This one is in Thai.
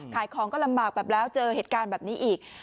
ขายของก็ลำบากแบบแล้วเจอเหตุการณ์แบบนี้อีก